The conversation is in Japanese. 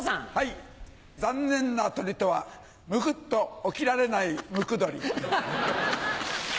残念な鳥とはムクっと起きられないムクドリ。